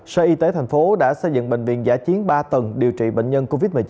sở y tế thành phố đã xây dựng bệnh viện giả chiến ba tầng điều trị bệnh nhân covid một mươi chín